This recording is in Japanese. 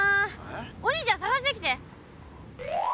お兄ちゃんさがしてきて！